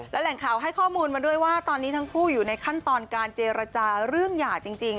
และแหล่งข่าวให้ข้อมูลมาด้วยว่าตอนนี้ทั้งคู่อยู่ในขั้นตอนการเจรจาเรื่องหย่าจริง